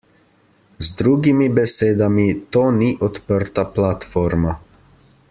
Z drugimi besedami, to ni odprta platforma.